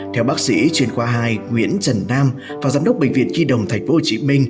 theo bác sĩ chuyên khoa hai nguyễn trần nam và giám đốc bệnh viện khi đồng tp hcm